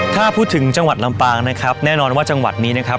ถ้าพูดถึงจังหวัดลำปางนะครับแน่นอนว่าจังหวัดนี้นะครับ